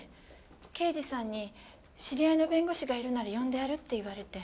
刑事さんに知り合いの弁護士がいるなら呼んでやるって言われて。